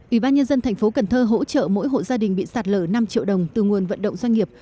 ủy ban nhân dân tp cn hỗ trợ mỗi hộ gia đình bị sạt lở năm triệu đồng từ nguồn vận động doanh nghiệp